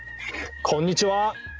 こんにちは。